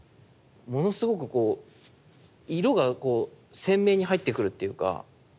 ものすごくこう色がこう鮮明に入ってくるっていうか。